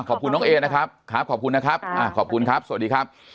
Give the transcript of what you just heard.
ขอบคุณน้องเอนะครับครับขอบคุณนะครับขอบคุณครับสวัสดีครับ